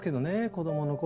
子供の頃。